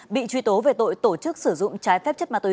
bị truy tố về tội tổ chức sử dụng trái phép chất ma túy